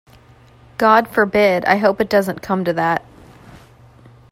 God forbid! I hope it doesn't come to that.